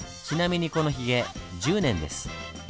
ちなみにこのヒゲ１０年です。